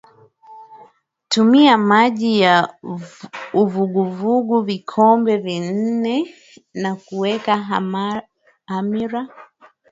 tumia maji ya uvuguvugu vikombe vinne na weka hamira